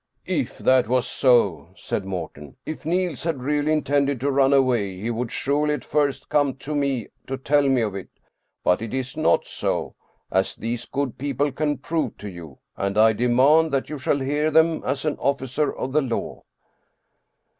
" If that was so," said Morten, " if Niels had really intended to run away, he would surely at first come to me to tell me of it. But it is not so, as these good people can prove to you, and I demand that you shall hear them as an officer of the law."